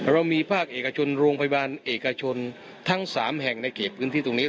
เรามีภาคเอกชนโรงพยาบาลเอกชนทั้ง๓แห่งในเขตพื้นที่ตรงนี้